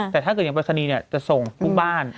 แต่ถ้าเกิดอย่างปริศนีย์จะส่งทุกบ้าน